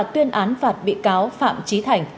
tuyên án phạt bị cáo phạm trí thành